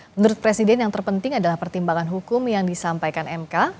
menurut presiden yang terpenting adalah pertimbangan hukum yang disampaikan mk